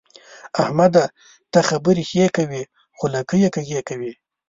احمده! ته خبرې ښې کوې خو لکۍ يې کږې کوي.